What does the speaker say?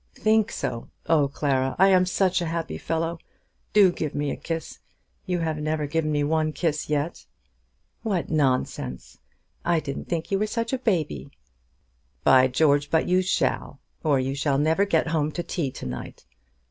"Think so! Oh, Clara, I am such a happy fellow. Do give me a kiss. You have never given me one kiss yet." "What nonsense! I didn't think you were such a baby." "By George, but you shall; or you shall never get home to tea to night.